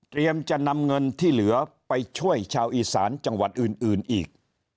จะนำเงินที่เหลือไปช่วยชาวอีสานจังหวัดอื่นอีก